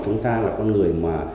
chúng ta là con người mà